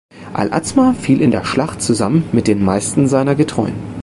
Al-Azma fiel in der Schlacht zusammen mit den meisten seiner Getreuen.